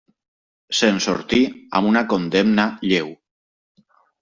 Se'n sortí amb una condemna lleu.